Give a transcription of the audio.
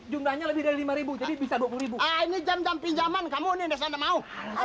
jumlahnya lebih dari lima ribu bisa rp dua puluh ini jam jam pinjaman kamu